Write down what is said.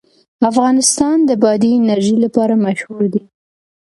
افغانستان د بادي انرژي لپاره مشهور دی.